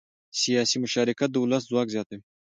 سیاسي مشارکت د ولس ځواک زیاتوي